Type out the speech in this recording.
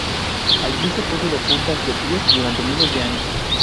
Allí se puso de puntas de pies durante miles de años.